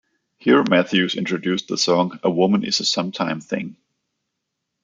Here, Matthews introduced the song "A Woman Is a Sometime Thing".